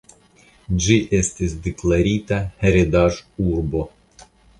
Ĝi estis deklarita heredaĵurbo.